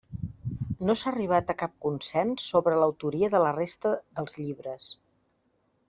No s'ha arribat a cap consens sobre l'autoria de la resta dels llibres.